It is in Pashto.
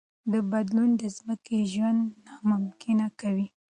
دا بدلون د ځمکې ژوند ناممکن کوي.